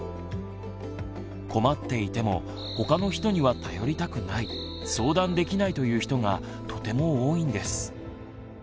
困っていても他の人には頼りたくない相談できないという人がとても多いんです。